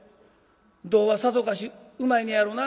胴はさぞかしうまいねやろな。